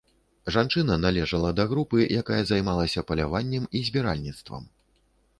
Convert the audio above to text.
Жанчына належала да групы, якая займалася паляваннем і збіральніцтвам.